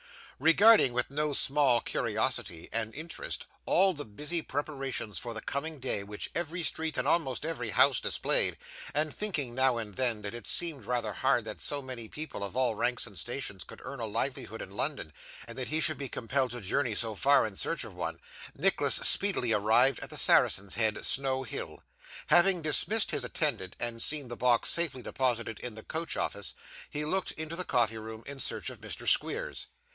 Regarding, with no small curiosity and interest, all the busy preparations for the coming day which every street and almost every house displayed; and thinking, now and then, that it seemed rather hard that so many people of all ranks and stations could earn a livelihood in London, and that he should be compelled to journey so far in search of one; Nicholas speedily arrived at the Saracen's Head, Snow Hill. Having dismissed his attendant, and seen the box safely deposited in the coach office, he looked into the coffee room in search of Mr. Squeers.